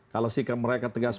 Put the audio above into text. kalau sikap mereka tegas